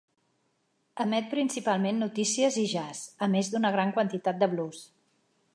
Emet principalment notícies i jazz, a més d'una gran quantitat de blues.